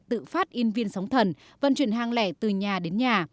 tự phát in viên sóng thần vận chuyển hàng lẻ từ nhà đến nhà